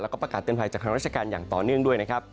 แล้วก็ประกาศเตือนภัยจากทางราชการอย่างต่อเนื่องด้วยนะครับ